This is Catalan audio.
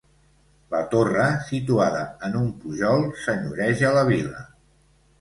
La torre, situada en un pujol, senyoreja la vila.